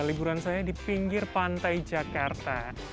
liburan saya di pinggir pantai jakarta